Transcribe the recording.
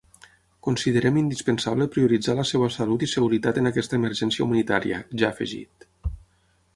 Considerem indispensable prioritzar la seva salut i seguretat en aquesta emergència humanitària, ja afegit.